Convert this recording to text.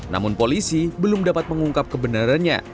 namun polisi belum dapat mengungkap kebenarannya